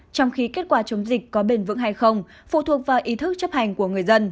trong khi kết quả chống dịch có bền vững hay không phụ thuộc vào ý thức chấp hành của người dân